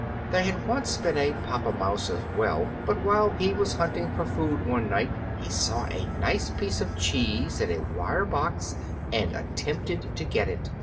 There had once been a Papa Mouse as well; but while he was hunting for food one night he saw a nice piece of cheese in a wire box, and attempted to get it.